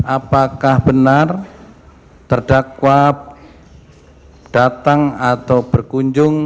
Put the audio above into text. apakah benar terdakwa datang atau berkunjung